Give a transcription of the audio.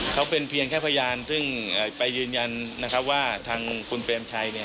เขาเป็นเพียงแค่พยานซึ่งไปยืนยันว่าทางคนเปรมชัย